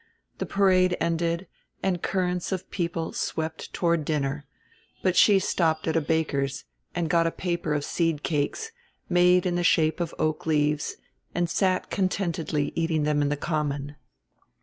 The parade ended, and currents of people swept toward dinner; but she stopped at a baker's and got a paper of seed cakes, made in the shape of oak leaves and sat contentedly eating them in the Common.